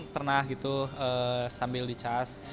pernah gitu sambil dicas